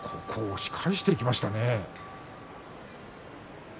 押し返していきました。